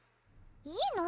いいの！